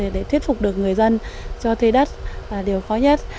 để thuyết phục được người dân cho thuê đất là điều khó nhất